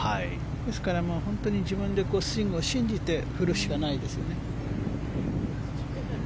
ですから自分でスイングを信じて振るしかないですよね。